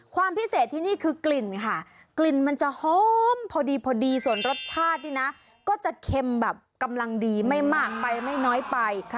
ความพิเศษที่นี่คือกลิ่นค่ะกลิ่นมันจะหอมพอดีส่วนรสชาตินี่นะก็จะเค็มแบบกำลังดีไม่มากไปไม่น้อยไป